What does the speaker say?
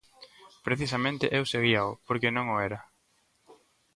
Precisamente eu seguíao porque non o era.